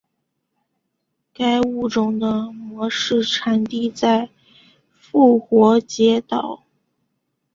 该物种的模式产地在复活节岛。